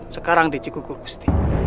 sekarang di cikuku gusti